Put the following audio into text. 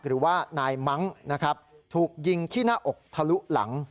หรือว่านายมั้งนะครับถูกยิงที่หน้าอกทะลุหลัง